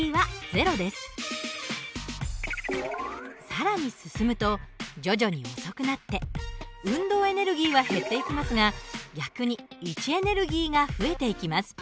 更に進むと徐々に遅くなって運動エネルギーは減っていきますが逆に位置エネルギーが増えていきます。